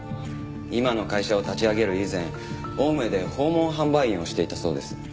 今の会社を立ち上げる以前青梅で訪問販売員をしていたそうです。